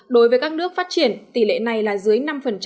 đối với các nước phát triển tỷ lệ này là dưới năm